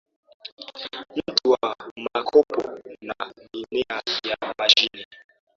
mti wa makopo na mimea ya majini